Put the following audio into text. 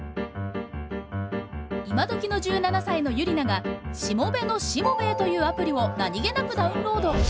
今どきの１７歳のユリナが「しもべのしもべえ」というアプリを何気なくダウンロード。